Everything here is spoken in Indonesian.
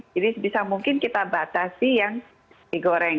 jadi bisa mungkin kita batasi yang digoreng